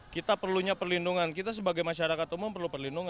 kita perlunya perlindungan kita sebagai masyarakat umum perlu perlindungan